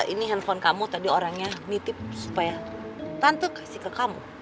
ini handphone kamu tadi orangnya nitip supaya tante kasih ke kamu